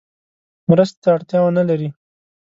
مرستې ته اړتیا ونه لري.